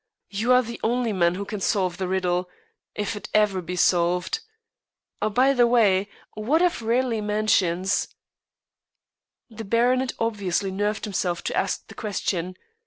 You are the only man who can solve the riddle, if it ever be solved. By the way, what of Raleigh Mansions?" The baronet obviously nerved himself to ask the question.